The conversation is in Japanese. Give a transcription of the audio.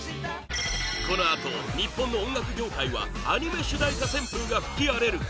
このあと日本の音楽業界はアニメ主題歌旋風が吹き荒れる